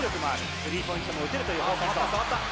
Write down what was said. スリーポイントも打てるという。